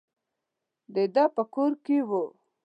د ده په کور کې وو.